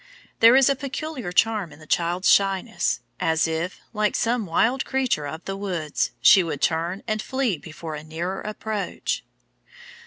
There is a peculiar charm in the child's shyness, as if, like some wild creature of the woods, she would turn and flee before a nearer approach.